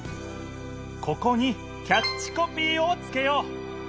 ここにキャッチコピーをつけよう！